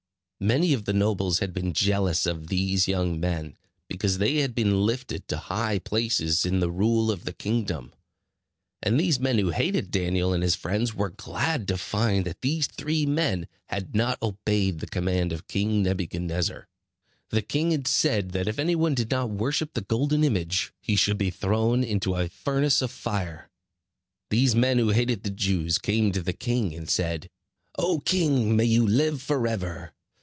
Many of the nobles had been jealous of these young men, because they had been lifted to high places in the rule of the kingdom; and these men who hated Daniel and his friends, were glad to find that these three men had not obeyed the command of King Nebuchadnezzar. The king had said that if any one did not worship the golden image he should be thrown into a furnace of fire. These men who hated the Jews came to the king and said: "O king, may you live for ever!